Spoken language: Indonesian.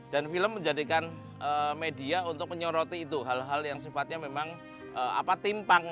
dan film menjadikan media untuk menyoroti itu hal hal yang sifatnya memang apa timpang